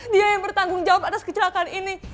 dia yang bertanggung jawab atas kecelakaan ini